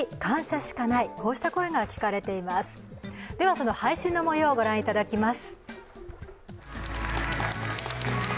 その配信の模様をご覧いただきます。